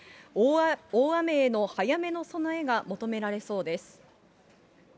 大雨への早めの備えが求められそうです。